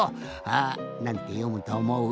あなんてよむとおもう？